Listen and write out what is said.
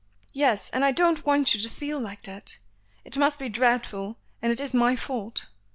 "Yes; and I don't want you to feel like that. It must be dreadful, and it is my fault.